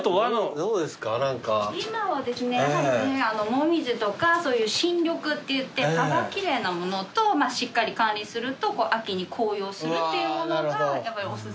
今はモミジとかそういう新緑っていって葉が奇麗なものとしっかり管理すると秋に紅葉するっていうものがやっぱりお薦め。